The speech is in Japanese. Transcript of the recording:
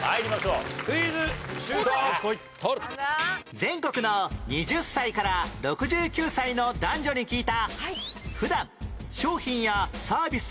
全国の２０歳から６９歳の男女に聞いた